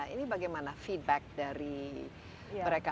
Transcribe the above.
ini bagaimana feedback dari mereka